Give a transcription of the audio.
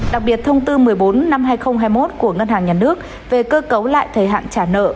đặc biệt thông tư một mươi bốn năm hai nghìn hai mươi một của ngân hàng nhà nước về cơ cấu lại thời hạn trả nợ